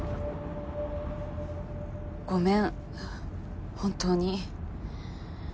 ごめんはぁ本当に。